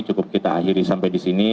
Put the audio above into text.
cukup kita akhiri sampai disini